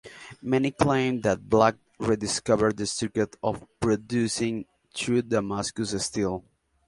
Many claim that Black rediscovered the secret of producing true Damascus steel.